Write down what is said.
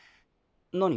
何？